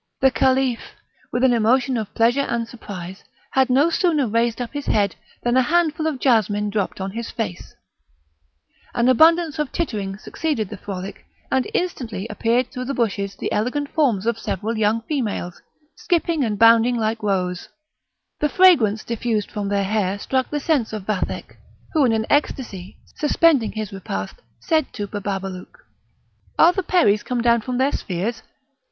The Caliph, with an emotion of pleasure and surprise, had no sooner raised up his head than a handful of jasmine dropped on his face; an abundance of tittering succeeded the frolic, and instantly appeared through the bushes the elegant forms of several young females, skipping and bounding like roes. The fragrance diffused from their hair struck the sense of Vathek, who, in an ecstasy, suspending his repast, said to Bababalouk: "Are the Peris come down from their spheres?